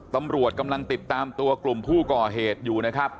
ตำรวจกำลังติดตามตัวกลุ่มผู้ก่อเหตุอยู่นะครับ